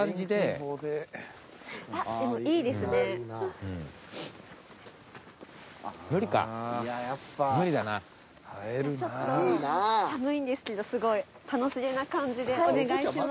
ちょっと寒いんですけどすごい楽しげな感じでお願いします。